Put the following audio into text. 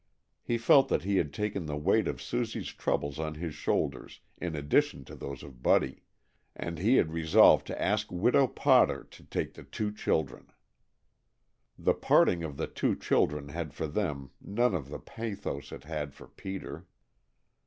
He felt that he had taken the weight of Susie's troubles on his shoulders in addition to those of Buddy, and he had resolved to ask Widow Potter to take the two children! The parting of the two children had for them none of the pathos it had for Peter.